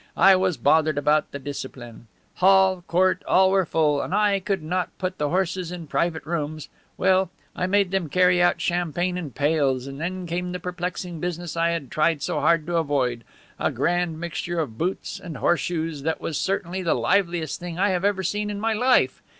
I was bothered about the discipline. Hall, court, all were full. And I could not put the horses in private rooms. Well, I made them carry out champagne in pails and then came the perplexing business I had tried so hard to avoid, a grand mixture of boots and horse shoes that was certainly the liveliest thing I have ever seen in my life.